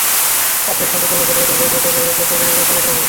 সেসব সন্তোষজনক হলে অদূর ভবিষ্যতে তাঁকে হয়তো টেস্টের জন্যও বিবেচনা করা হবে।